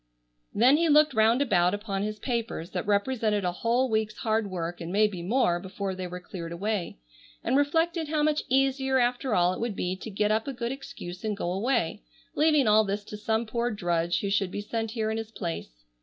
Then he looked round about upon his papers that represented a whole week's hard work and maybe more before they were cleared away, and reflected how much easier after all it would be to get up a good excuse and go away, leaving all this to some poor drudge who should be sent here in his place.